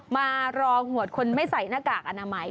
มารอหวดคนไม่ใส่หน้ากากอนามัย